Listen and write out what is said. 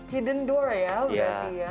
hidden door ya berarti ya